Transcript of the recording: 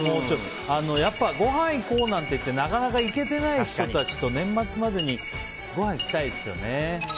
やっぱりごはん行こうなんて言ってなかなか行けてない人たちと年末までにごはん行きたいですね。